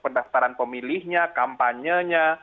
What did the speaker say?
pendaftaran pemilihnya kampanyenya